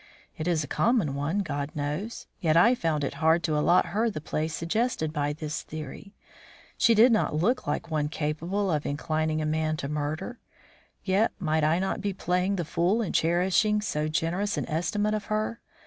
It is a common one, God knows. Yet I found it hard to allot her the place suggested by this theory. She did not look like one capable of inclining a man to murder. Yet might I not be playing the fool in cherishing so generous an estimate of her?